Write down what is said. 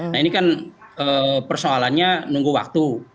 nah ini kan persoalannya nunggu waktu